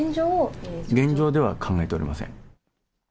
現状では考えておりません。